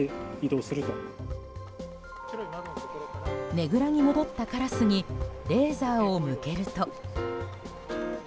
ねぐらに戻ったカラスにレーザーを向けると。